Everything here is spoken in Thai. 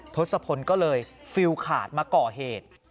ทศพลก็เลยฟิลขาดมาก่อเหตุ